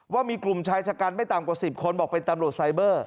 ว่ามีกลุ่มชายชะกันไม่ต่ำกว่า๑๐คนบอกเป็นตำรวจไซเบอร์